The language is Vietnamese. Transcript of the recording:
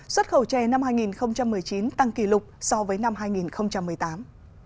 xuất khẩu chè năm hai nghìn một mươi chín tăng kỷ lục so với năm hai nghìn một mươi tám